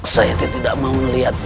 saya tidak mau melihatnya